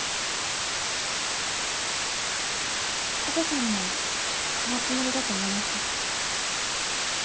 武さんもそのつもりだと思います。